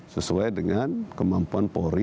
sesuai dengan kemampuan polri